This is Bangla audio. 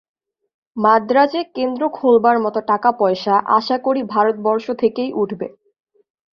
মান্দ্রাজে কেন্দ্র খোলবার মত টাকাপয়সা, আশা করি ভারতবর্ষ থেকেই উঠবে।